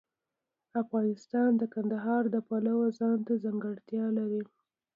افغانستان د کندهار د پلوه ځانته ځانګړتیا لري.